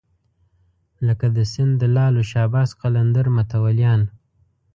لکه د سیند د لعل او شهباز قلندر متولیان.